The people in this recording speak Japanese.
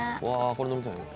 これ飲みたいね。